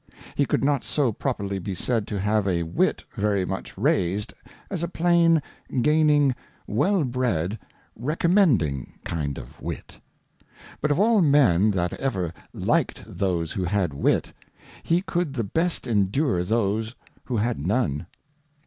He could not so properly be said to have a Wit very much raised, as a plain, gaining, well bred, recommending kind of Wit. But of all Men that ever liked those who had Wit, he could the best endure those who had none.